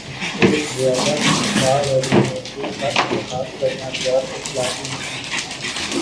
ایک زیادہ تنخواہ والی نوکری کا انتخاب کرنا غیراخلاقی نہیں ہے